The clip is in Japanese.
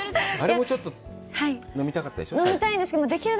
あれもちょっと、飲みたかったでしょう？